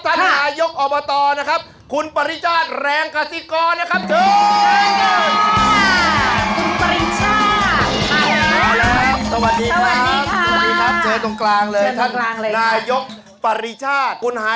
ท่านหนาโยคอบตตอนะครับคุณปริศาจแรงกสิกรนะครับหวัอ